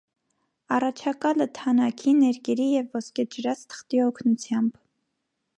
Առաջակալը թանաքի, ներկերի և ոսկեջրած թղթի օգնությամբ։